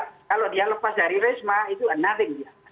kalau dia lepas dari risma itu nothing